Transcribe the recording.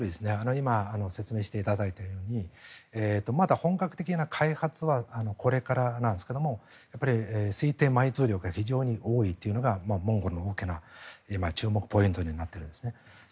今説明していただいたようにまだ本格的な開発はこれからなんですけれども推定埋蔵量が非常に多いというのがモンゴルの大きな注目ポイントになっているんですね。